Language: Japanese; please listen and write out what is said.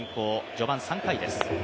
序盤３回です。